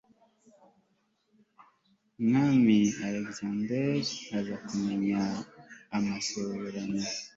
umwami alegisanderi aza kumenya amasezerano